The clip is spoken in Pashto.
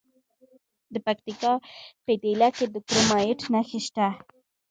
د پکتیکا په دیله کې د کرومایټ نښې شته.